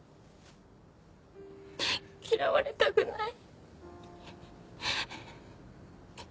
嫌われたくない。